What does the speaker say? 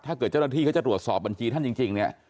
เจ้าหน้าที่เขาจะตรวจสอบบัญชีท่านจริงเนี่ย